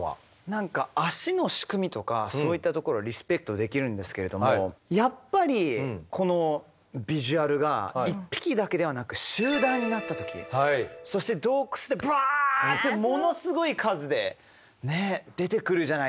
何か足の仕組みとかそういったところはリスペクトできるんですけれどもやっぱりこのビジュアルが１匹だけではなく集団になった時そして洞窟でブワッてものすごい数で出てくるじゃないですか。